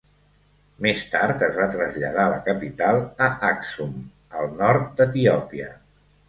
Més tard, es va traslladar la capital a Aksum, al nord d'Etiòpia.